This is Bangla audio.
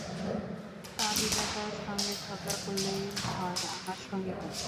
তা, বিধাতার সঙ্গে ঝগড়া করলেই হয়, আমার সঙ্গে কেন?